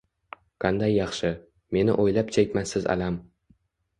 Qanday yaxshi, meni o’ylab chekmassiz alam